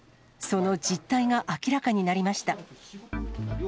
その実態が明らかになりました。